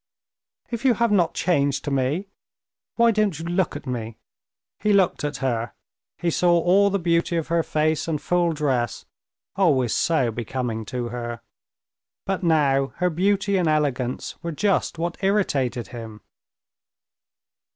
"If you have not changed to me, why don't you look at me?" He looked at her. He saw all the beauty of her face and full dress, always so becoming to her. But now her beauty and elegance were just what irritated him.